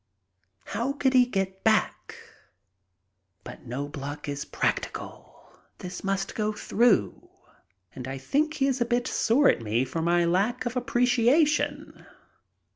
How could he get back? But Knobloch is practical. This must go through. And I think he is a bit sore at me for my lack of appreciation.